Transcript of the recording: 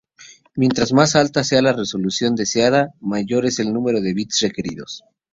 Mientras más alta sea la resolución deseada, mayor es el número de bits requeridos.